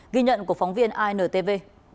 ghi nhận của phóng viên intv